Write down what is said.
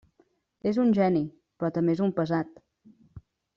És un geni, però també és un pesat.